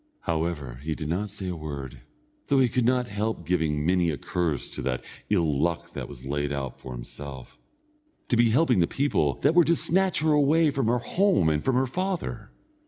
However, he did not say a word, though he could not help giving many a curse to the ill luck that was laid out for himself, to be helping the people that were to snatch her away from her home and from her father.